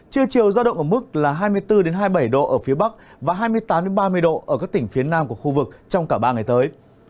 trưa chiều giao động ở mức là hai mươi bốn hai mươi bảy độ ở phía bắc và hai mươi tám ba mươi độ ở các tỉnh phía nam của khu vực trong cả ba ngày tới